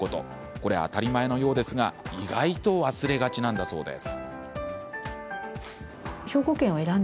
これ、当たり前なようですが意外と忘れがちなんだそうです。